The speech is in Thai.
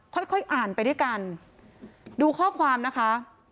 ค่อยค่อยอ่านไปด้วยกันดูข้อความนะคะ